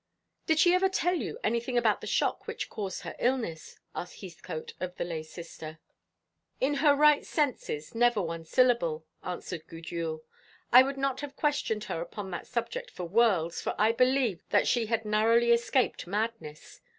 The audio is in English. "Did she ever tell you anything about the shock which caused her illness?" asked Heathcote of the lay sister. "In her right senses never one syllable," answered Gudule. "I would not have questioned her upon that subject for worlds, for I believed that she had narrowly escaped madness.